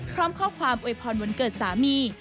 พร้อมข้อความอวยพรวันเกิดสามี